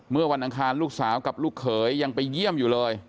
เมื่อวันอังคารลูกสาวกับลูกเขยยังไปเยี่ยมอยู่เลย